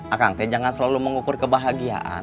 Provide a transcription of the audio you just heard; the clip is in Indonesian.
akang jangan selalu mengukur kebahagiaan